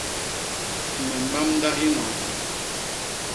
Me mbamda hinoo.